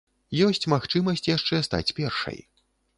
Ёсць магчымасць яшчэ стаць першай.